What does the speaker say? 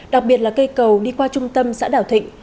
đặc biệt là cây cầu đi qua trung tâm xã đảo thịnh